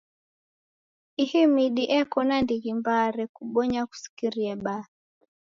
Ihi midi eko na ndighi mbaa rekubonya kusikire baa.